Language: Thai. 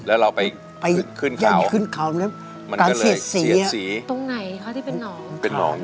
แล้วเราไปขึ้นเข่ามันก็เลยเสียดสีตรงไหนคะที่เป็นน้อง